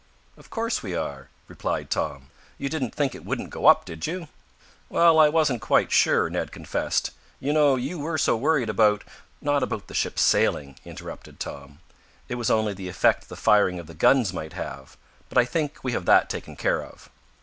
"Of course we are," replied Tom. "You didn't think it wouldn't go up, did you?" "Well, I wasn't quite sure," Ned confessed. "You know you were so worried about " "Not about the ship sailing," interrupted Tom. "It was only the effect the firing of the guns might have. But I think we have that taken care of."